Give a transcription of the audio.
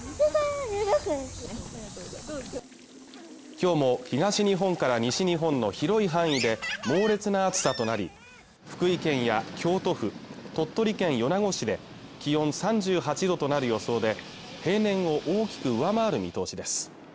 今日も東日本から西日本の広い範囲で猛烈な暑さとなり福井県や京都府鳥取県米子市で気温３８度となる予想で平年を大きく上回る見通しです